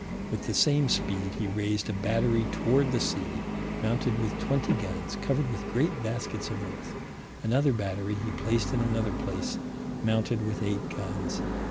With the same speed he raised a battery toward the sea, mounted with twenty guns, covered with great baskets of earth: another battery he placed in another place, mounted with eight guns.